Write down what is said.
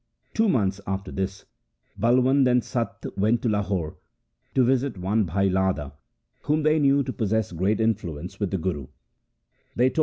Two months after this Balwand and Satta went to Lahore to visit one Bhai Ladha, whom they knew to possess great influence with the Guru.